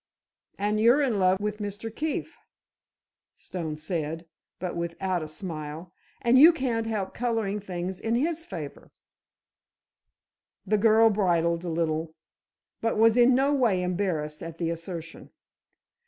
"And you're in love with Mr. Keefe," Stone said, but without a smile, "and you can't help coloring things in his favor." The girl bridled a little, but was in no way embarrassed at the assertion.